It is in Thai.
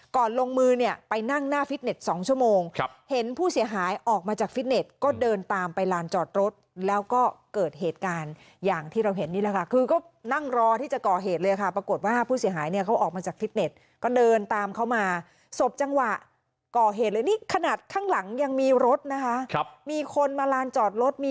ลงมือเนี่ยไปนั่งหน้าฟิตเน็ต๒ชั่วโมงเห็นผู้เสียหายออกมาจากฟิตเน็ตก็เดินตามไปลานจอดรถแล้วก็เกิดเหตุการณ์อย่างที่เราเห็นนี่แหละค่ะคือก็นั่งรอที่จะก่อเหตุเลยค่ะปรากฏว่าผู้เสียหายเนี่ยเขาออกมาจากฟิตเน็ตก็เดินตามเขามาศพจังหวะก่อเหตุเลยนี่ขนาดข้างหลังยังมีรถนะคะมีคนมาลานจอดรถมี